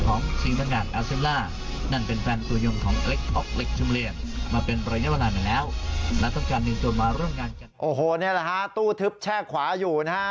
โอ้โหนี่แหละตู้ทึบแช่ขวาอยู่